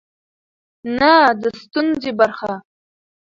نه د ستونزې برخه.